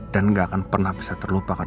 dan enggak akan pernah bisa terlupakan